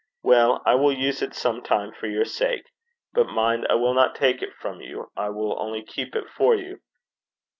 'Well, I will use it sometimes for your sake. But mind, I will not take it from you; I will only keep it for you.'